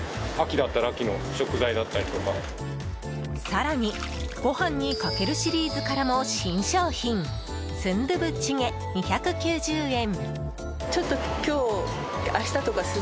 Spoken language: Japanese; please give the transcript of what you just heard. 更にごはんにかけるシリーズからも新商品スンドゥブチゲ、２９０円。